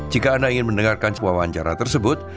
jika anda ingin mendengarkan sebuah wawancara tersebut